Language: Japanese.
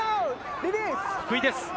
福井です。